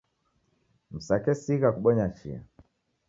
Msakesigha kubonya chia